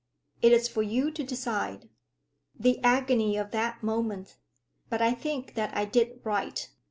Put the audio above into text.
"It is for you to decide." The agony of that moment! But I think that I did right.